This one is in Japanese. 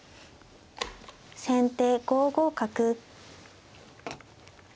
先手５五角。